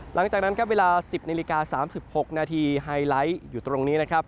หลังจากนั้นเวลา๑๐นิลิกา๓๖นาทีไฮไลท์อยู่ตรงนี้